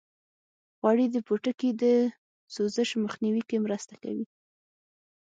غوړې د پوټکي د سوزش مخنیوي کې مرسته کوي.